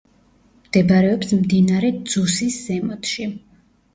მდებარეობს მდინარე ძუსის ზემოთში.